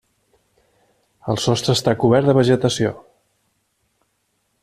El sostre està cobert de vegetació.